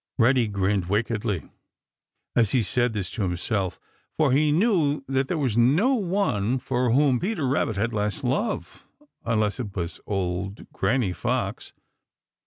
Reddy grinned wickedly as he said this to himself, for he knew that there was no one for whom Peter Rabbit had less love, unless it was old Granny Fox.